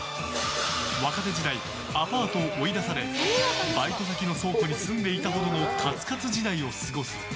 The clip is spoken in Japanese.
若手時代アパートを追い出されバイト先の倉庫に住んでいたほどのカツカツ時代を過ごす。